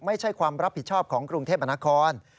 ไม่ใช่ความรับผิดชอบของกรุงเทพมนาคม